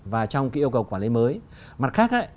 và trong cái yêu cầu quản lý mới mặt khác